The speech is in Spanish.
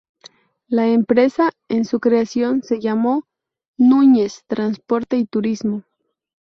La empresa, en su creación se llamó Núñez Transporte y Turismo.